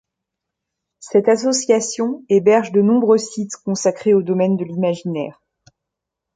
Cette association héberge de nombreux sites consacrés au domaine de l'imaginaire.